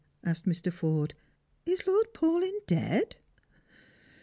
asked Mr. Forde. " Is Lord Paulyn dead?"